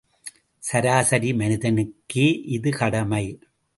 சராசரி மனிதனுக்கே இது கடமை.